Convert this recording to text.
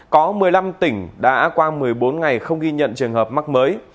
có một mươi năm tỉnh đã qua một mươi bốn ngày không ghi nhận trường hợp mắc mới